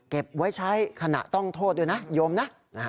เก็บไว้ใช้ขณะต้องโทษด้วยนะโยมนะ